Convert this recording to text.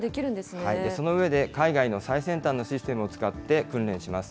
その上で海外の最先端のシステムを使って訓練します。